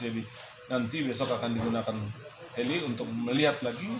nanti besok akan digunakan heli untuk melihat lagi